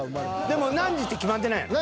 でも何時って決まってないんやろ？